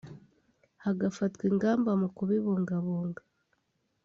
hagafatwa ingamba mu kubibungabunga